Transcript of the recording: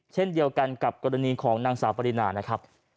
เช่นเดียวกันกับกรณีของนางสาวปรินานะครับ